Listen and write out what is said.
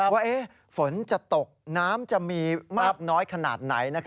ว่าฝนจะตกน้ำจะมีมากน้อยขนาดไหน